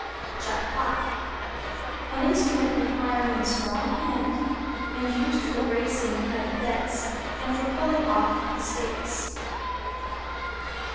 =JACK POT= An instrument requiring a strong hand, and used for raising heavy bets, or for pulling off the stakes.